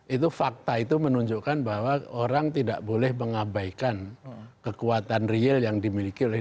itu fakta itu menunjukkan bahwa orang tidak boleh mengabaikan kekuatan real yang dimiliki oleh dua ratus dua belas